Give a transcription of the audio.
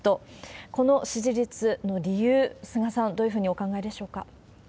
この支持率の理由、菅さん、どういうふうにお考えでしょうか？